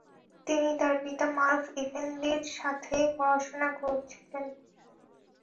তিনি তাঁর পিতা মারুফ ইফেন্দির সাথে পড়াশোনা করেছিলেন।